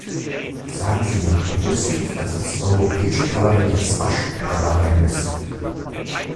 Sagen Sie mir bloß nicht, dass das Europäische Parlament jetzt "Waschweiber" reinlässt?